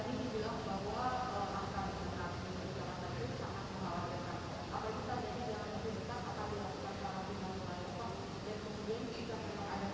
masyarakat di jakarta ini sangat mengawal dengannya